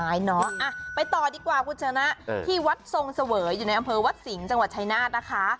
ไปต่อดีกว่าคุณชนะที่วัดทรงเสวยอยู่ในอำเภอวัดสิงห์จังหวัดชายนาฏนะคะ